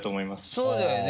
そうだよね。